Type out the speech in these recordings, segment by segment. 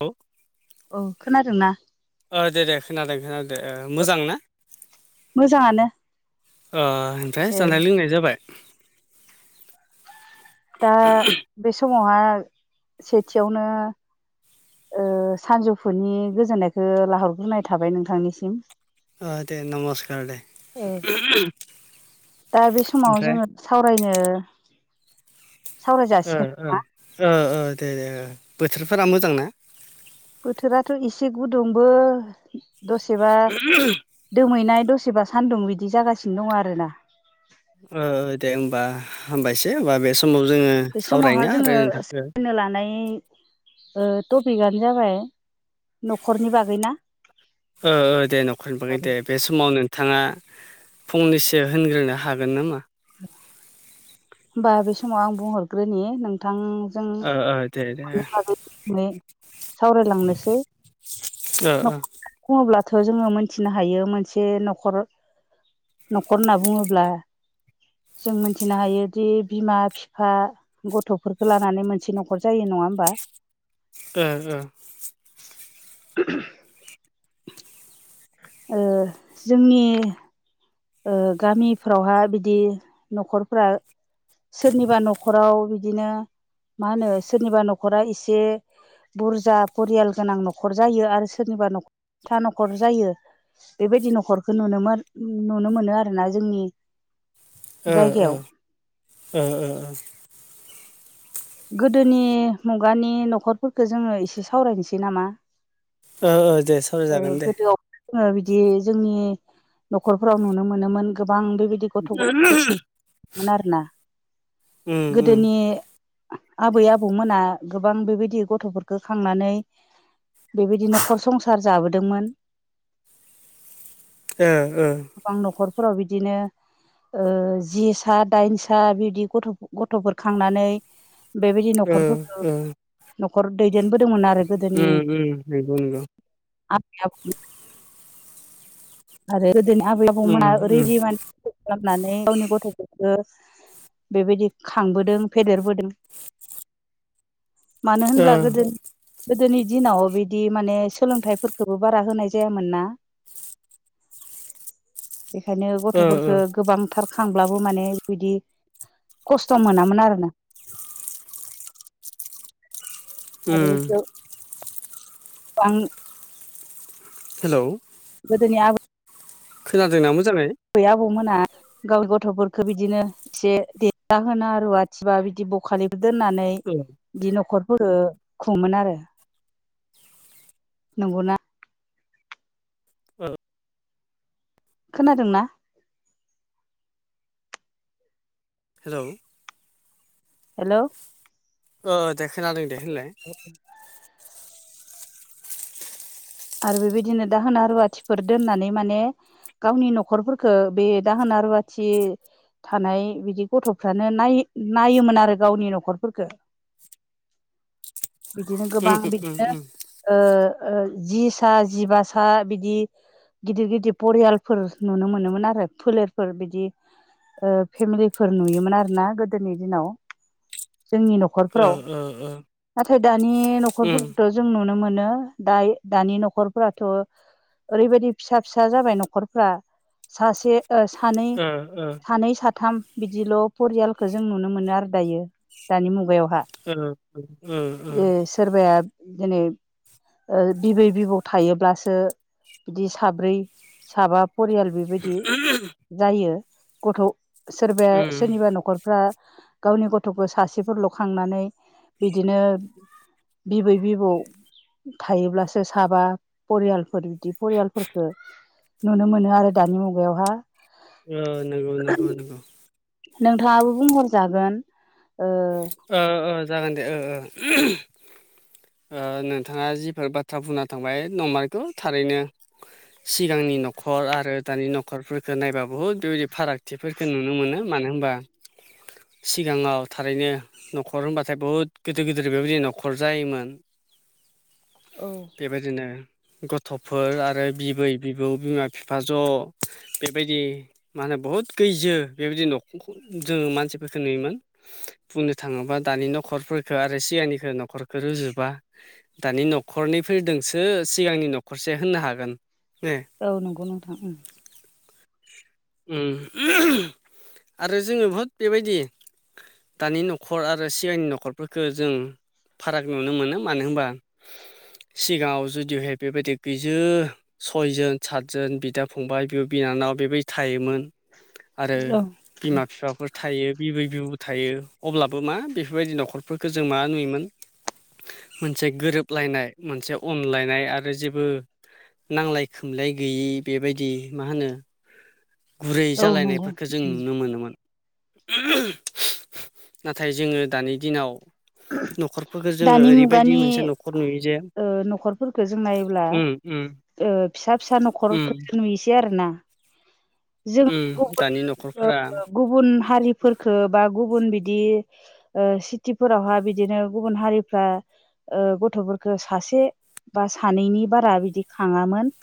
औ। औ खोनादों ना? ओ दे दे खोनादों खोनादों ओ मोजां ना मोजाङानो ओ ओमफ्राय दे जानाय लोंनाय जाबाय दा बे समावहा सेथियावनो ओ सानजौफुनि गोजोननायखो लाहरग्रोनाय थाबाय नोंथांनिसिम। ओ दे नमस्कार दे औ [unintelligible] दा बे समाव ओमफ्राय जोङो सावरायनो ओ सावरायजासिगोन ओ नामा ओ ओ दे दे ओ बोथोरफोरा मोजां ना? बोथोराथ' एसे गुदुंबो दसेबा दोमैनाय दसेबा सान्दुं बिदि जागासिनो दं आरो ना। ओ ओ दे होमबा हामबायसै होमबा बे समाव जोङो बै समावहा सावरायनो आरो जोङो नोंथांखौ सोलोंनो लानाय ओ टपिकानो जाबाय न'खरनि बागै ना ओ ओ दे न'खरनि बागै दे बे समाव नोंथाङा फंनैसो होनग्रोनो हागोन नामा? होमबा बे समाव आं बुंहरग्रोनि नों थांजों ओ ओ दे दे [unintelligible] सावरायलांनिसै। ओ [unintelligible] बुङोब्लाथ' जोङो मोनथिनो हायो मोनसे न'खर न'खर होनना बुङोब्ला जों मोनथिनो हायोदि बिमा फिफा गथ'फोरखो लानानै मोनसे न'खर जायो नङा होमबा ओ ओ। [inaudible] ओ जोंनि ओ गामिफ्रावहा बिदि न'खरफ्रा सोरनिबा न'खराव बिदिनो मा होनो सोरनिबा न'खरा इसे बुरजा परियाल गोनां न'खर जायो आरो सोरनिबा न' था न'खर जायो। बेबायदि न'खरखौ नुनोमोन नुनो मोनो आरो ना जोंनि ओ जायगायाव ओ ओ ओ ओ। गोदोनि मुगानि न'खरफोरखो जोङो इसे सावरायनिसै नामा? ओ ओ दे सावराय जागोन दे। गोदोआव ओ बिदि जोंनि न'खरफोराव नुनो मोनोमोन गोबां बेबाय दि गथ' गथायफोर उम मोन आरो ना उम गोदोनि आबै आबौमोना गोबां बेबायदि गथ'फोरखो खांनानै बेबायदि न'खर संसार जाबोदोंमोन। ओ ओ। गोबां न'खरफोराव बिदिनो ओ जि सा दाइन सा बिबदि गथ' गथ'फोर खांनानै बेबायदि ओ न'खरफोरखौ ओ न'खर दैदेनबोदोंमोन आरो गोदोनि उम उम नंगौ नंगौ आबै आबौ [unintelligible] [unintelligible] आबै उम आबौमोना उम [unintelligible] गावनि गथ'फोरखो बेबायदि खांबोदों फेदेरबोदों। मानो ओ होनब्ला गोदोनि गोदोनि दिनाव बिदि माने सोलोंथाइफोरखोबो बारा होनाय जायामोन ना। बेखायनो ओ ओ गथ'फोरखो गोबांथार खांब्लाबो माने बिदि खस्थ' मोनामोन आरोना [inaudible] उम आं हेलौ गोदोनि आबै खोनादोंना मोजाङै? बै आबौमोना गाव गथ'फोरखो बिदिनो से [unintelligible] रुवाथिबा बिदि बखालिफोर दोननानै औ बिदि न'खरफोरो खुङोमोन आरो। नोंग'ना? ओ खोनादों ना? हेलौ हेलौ ओ दे खोनादों दे होनलाय [inaudible] आरो बेबायदिनो दाहोना रुवाथिफोर दोननानै माने गावनि न'खरफोरखो बे दाहोना रुवाथि थानाय बिदि गथ'फ्रानो नाय नायोमोन आरो गावनि न'खरफोरखो [inaudible] बिदिनो उम गोबां उम बिदिनो उम ओ ओ जि सा जिबा सा बिदि गिदिर गिदिर परियालफोर नुनो मोनोमोन आरो फोलेरफोर बिदि ओ फेमिलिफोर नुयोमोन आरो ना गोदोनि दिनाव जोंनि न' ओ खरफ्राव ओ ओ नाथाय दानि उम न'खरफोरखौथ' जों नुनो मोनो दायो दानि न'खरफोराथ' ओरैबायदि फिसा फिसा जाबाय न'खरफ्रा सासे ओ सानै ओ ओ सानै साथाम बिदिल' परियालखो जों नुनो मोनो आरो दायो दानि मुगायावहा। ओ ओ ओ। जे सोरबाया दिनै ओ बिबै बिबौ थायोब्लासो बिदि साब्रै साबा परियाल बि बिदि जायो गथ' सोरबाया उम सोरनिबा न'खर फ्रा गावनि गथ'खौ सासेफोरल' खांनानै बिदिनो बिबै बिबौ थायोब्लासो साबा परियालफोर बिदि परियालफोरफोरखो नुनो मोनो आरो दानि मुगायावहा। ओम नोंगौ नोंथां नोंगौ। नोंथाङाबो बुंहरजागोन ओ ओ ओ जागोन दे ओ ओ [unintelligible] ओ नोंथाङा जिफोर बाथ्रा बुंना थांबाय नंमारगौ थारैनो सिगांनि न'खर आरो दानि न'खरफोरखो नायबा बहद बेबायदि फारागथिफोर जों नुनो मोनो मानो होनबा सिगाङाव थारैनो न'खर होनबाथाय बुहुत गिदिर गिदिर बेबायदि न'खर जायोमोन। औ। बेबायदिनो गथ'फोर आरो बिबै बिबौ बिमा बिफा ज' बेबायदि मा होनो बहुद गैजो बेबायदि न'खरखौ जोङो मानसिफोरखौ नुयोमोन। बुंनो थाङोबा दानि नखरफोरखो आरो सिगांनिखो न'खरखो रुजोबा दानि न'खरनैफोरदोंसो सिगांनि न'खरसे होननो हागोन ने? औ नोंगौ नोंथां उम। उम आरो जोङो बहुद बेबायदि दानि न'खर आरो सिगांनि न'खरफोरखो जों फाराग नुनो मोनो मानो होनबा सिगाङाव जुदिहाय बेबायदि गोजो सयजोन सातजोन बिदा फंबाय बिब' बिनानाव बेबायदि थायोमोन। आरो औ बिमा फिफाफोर थायो बिबै बिबौ थायो। अब्लाबो मा बेफोरबायदि न'खरफोरखो जों मा नुयोमोन मोनसे गोरोबलायनाय मोनसे अनलायनाय आरो जेबो नांलाय खोमलाय गैयि बेबायदि मा होनो गुरै औ नंगौ जालायनायफोरखौ जों उम नुनो मोनोमोन। नाथाय जोङो दानि दिनाव न'खरफोरखौ जोङो दानि ओरैबायदि मुगानि मोनसे न'खर नुयो जे ओ न'खरफोरखौ जों नायोब्ला उम उम ओ फिसा फिसा उम न'खरखौ नुयोसै आरो ना। उम दानि ओ न'खरफोरा गुबुन हारिफोरखौ बा गुबुन बिदि ओ सिटि फोरावहा बिदिनो गुबुन हारिफ्रा ओ गथ'फोरखौ सासे बा सानैनि बारा बिदि खाङामोन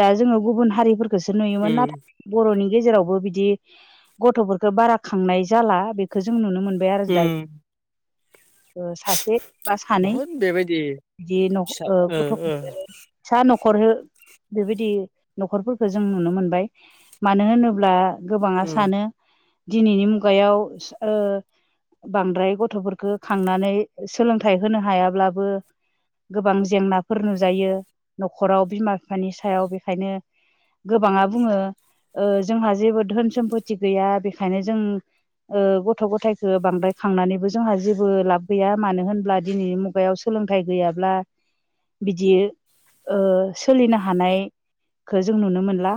दा जोङो गुबुन हारिफोर खौसो नुयोमोन उम नाथाय बर'नि गेजेरावबो बिदि गथ'फोरखौ बारा खांनाय जाला बे खौ जों नुनो मोनबाय आरो उम दायो। ओ सासे बा सानै बहुद बेबायदि बिदि न' फिसा ओ गथ'खौ ओ फिसा न'खर हो बेबायदि न'खरफोरखौ जों नुनो मोनबाय, मानो होनोब्ला गोबाङा ओ सानो दिनैनि मुगायाव बांद्राय गथ'फोरखौ खांनानै सोलोंथाइ होनो हायाब्लाबो गोबां जेंनाफोर नुजायो न'खराव बिमा बिफानि सायाव बेखायनो गोबाङा बुङो जोंहा जेबो धोन सम्फथि गैया बेखायनो जों गथ' गथायखौ बांद्राय खांनानैबो जोंहा जेबो लाब गैया मानो होनब्ला दिनैनि मुगायाव सोलोंथाइ गैयाब्ला बिदि सोलिनो हानाय जों नुनो मोनला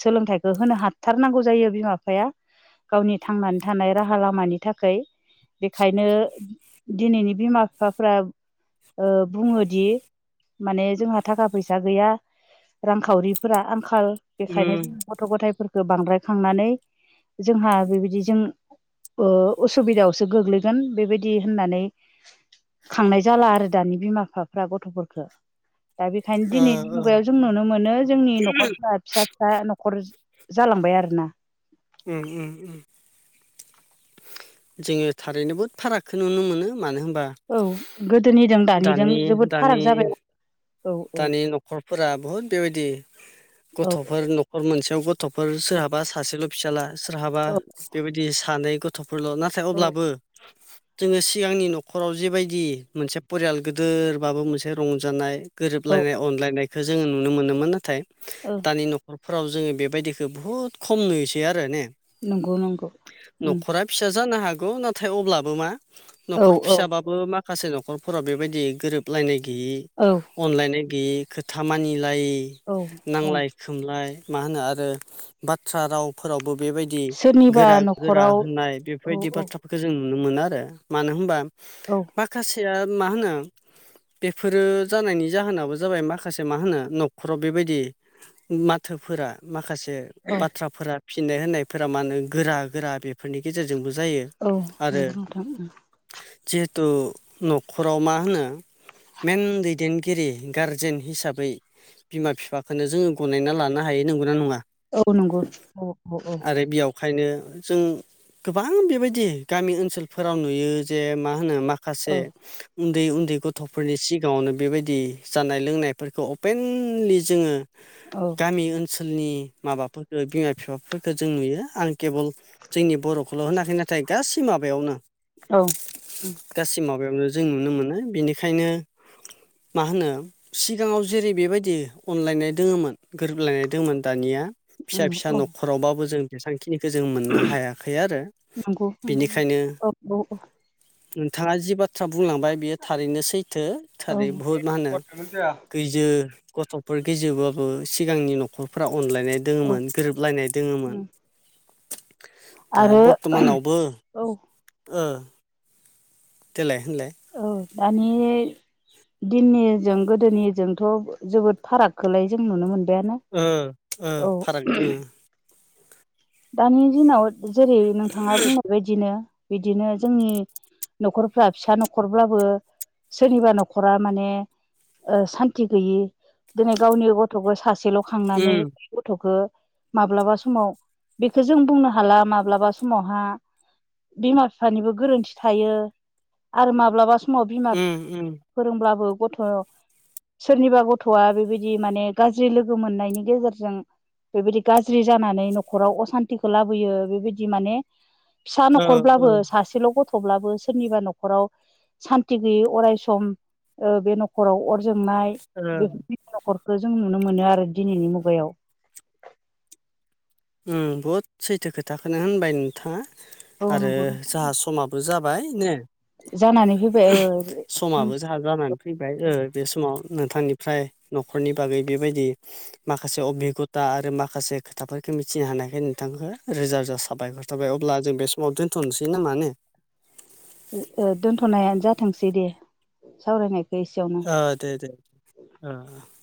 सोलोंथाइखौ होनो हाथारनांगौ जायो बिमा बिफाया गावनि थांनानै थानाय राहा लामानि थाखाय। बेखायनो दिनैनि बिमा बिफाफ्रा बुङोदि माने जोंहा थाखा फैसा गैया रांखावरि फोरा आंखाल बेखायनो उम जों गथ' गथायफोरखौ बांद्राय खांनानै जोंहा बेबायदि जों ओ उसुबिदायाव सो गोग्लैगोन बेबायदि होननानै खांनाय जाला आरो दानि बिमा बिफाफ्रा गथ'फोरखो। दा बेखायनो ओ दिनैनि ओ मुगायाव जों नुनो मोनो जोंनि न'खरफोरा फिसा फिसा न'खर जालांबाय आरोना। उम उम उम। जोङो थारैनो बुहुद फारागखौ नुनो मोनो मानो होनबा औ गोदोनिजों दानिजों दानि जोबोद दानि फाराग जाबाय औ औ दानि न'खरफोरा बहुद बेबायदि औ गथ'फोर न'खर मोनसेयाव गथ'फोर सोरहाबा सासेल' फिसाला सोरहाबा औ बेबायदि सानै गथ' फोरल' नाथाय औ अब्लाबो जोङो सिगांनि न'खराव जेबायदि मोनसे परियाल गोदोरबाबो मोनसे रंजानाय औ गोरोबलायनाय अनलायनायखौ जोङो नुनो मोनोमोन नाथाय ओं दानि न'खरफोराव जोङो बेबायदिखौ बुहुत खम नुयोसै आरो ने? नंगौ नंगौ ओम। न'खरा फिसा जानो हागौ नाथाय अब्लाबो मा औ न'खर औ फिसाबा बो माखासे न'खरफोराव बेबायदि गोरोबलायनाय गैयि औ अनलायनाय गैयै खोथा मानिलायै औ औ नांलाय सोमलाय मा होनो आरो बाथ्रा रावफोरावबो बेबायदि दि सोरनिबा गोरा गोरा न'खराव होननाय औ बेफोरबायदि औ बाथ्राफोरखौ जों नुनो मोनो आरो मानो होमबा औ माखासेया मा होनो बेफोरो जानायनि जाहोनाबो जाबाय माखासे मा होनो न'खराव बेबायदि माथोफोरा माखासे बाथ्राफोरा फिन्नाय होननायफोरा मा होनो गोरा गोरा बेफोरनि गेजेरजोंबो जायो औ आरो नंगौ नोंथां ओं जिहेथु न'खराव मा होनो मेन दैनगिरि गारजेन हिसाबै बिमा बिफाखौननो जोङो गनायना लानो हायो नंगौना नङा औ नंगौ औ औ औ आरो बेयावखायनो जों गोबां बेबायदि गामि ओनसोलफोराव नुयो जे मा होनो माखासे माखासे औ उन्दै उन्दै गथ'फोरनि सिगाङावनो बेबायदि जानाय लोंनायफोरखौ अपेनलि जोङो औ गामि ओन सोलनि माबाफोरफोरखौो बिमा बिफाफोरफोरखौजों नुयो आं केबोल जोंनि बर'खौल' होनाखै नाथाय गासै माबायावनो औ गासै माबायावनो जों नुनो मोनो बेनिखायनो मा होनो सिगाङाव जेरै बेबायदि अनलायनाय दोङोमोन गोरोबलायनाय दङमोन दानिया फिसा फिसा नंगौ न'खरावबाबो जों जेसांखिनिखौ जों मोननो हायाखै आरो नंगौ बेनिखायनो औ औ नोंथाङा जि बाथ्रा बुंलांबाय बियो थारैनो सैथो औ थारै भुत मान होनो गैजो गथ'फोर गैजोबाबो सिगांनि न'खरफोरा अनलायनाय औ दोङोमोन गोरोबलायनाय दोङोमोन दा आरो बर्थ'मानावबो औ ओ देलाय होनलाय औ दानि दिननिजों गोदोनिजोंथ' जोबोद फारागखौलाय जों नुनो मोनबायानो ओ ओ औ फाराग दङ दानि दिनाव जेरै नोंथाङा बुंनाय बायदिनो बिदिनो जोंनि न'खरफ्रा फिसा न'खरब्लाबो सोरनिबा न'खरा माने ओ सान्ति गैयै दिनै गावनि गथ'खौ सासेल' खांनानै उम बे गथ'खौ माब्लाबा समाव बेखौ जों बुंनो हाला माब्लाबा समावहा बिमा बिफानिबो गोरोन्थि थायो आरो माब्लाबा समाव बिमा उम उम फोरोंब्लाबो गथ' सोरनिबा गथ'आ बेबायदि माने गाज्रि लोगो मोननायनि गेजेरजों बेबायदि गाज्रि जानानै न'खराव असान्थिखौ लाबोयो बेबायदि माने फिसा ओ ओ न'खरब्लाबो सासेल' गथ' थेवब्लाबो सोरनिबा न'खराव सान्थि गैयै अराय सम ओ बे न'खराव अर जोंनाय ओ बेफोरबायदि न'खरखौ जों नुनो मोनो आरो दिनैनि मुगायाव ओम बुहुद सैथो खोथाखौनो होनबाय नोंथाङा औ आरो नंगौ नोंथां जोहा समा जाबाय ने जानानै फैबाय ओ समाबो जोंहा जानानै फैबाय ओ बे समाव नोंथांनिफ्राय न'खरनि बागै बेबायदि माखासे अबिगथा आरो माखासे खोथाफोर [unintelligible] मिथिनो हानायखाय नोंथांखौ रोजा रोजा साबायखर थाबाय अब्ला जों बे समाव दोन्थ'नोसै नामा ने। उम ओ दोनथ'नायानो जाथोंसै दे सावरायनायखौ एसेयावनो। ओ दे दे ओ ओ।